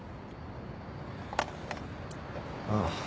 ああ。